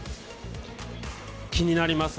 気になります。